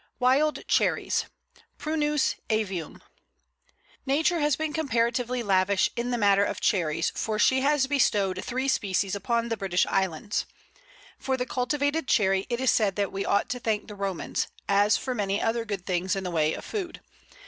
Wild Cherries (Prunus avium). Nature has been comparatively lavish in the matter of Cherries, for she has bestowed three species upon the British Islands. For the cultivated Cherry it is said that we ought to thank the Romans, as for many other good things in the way of food.